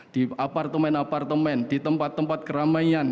di apartemen apartemen di tempat tempat keramaian